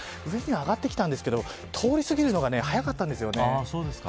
上に上がってきたんですけど通り過ぎるのが早かったんですね。